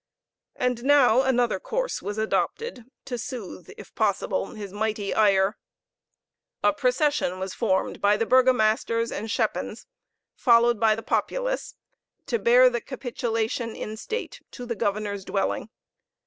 And now another course was adopted to soothe, if possible, his mighty ire. A procession was formed by the burgomasters and schepens, followed by the populace, to bear the capitulation in state to the governor's dwelling.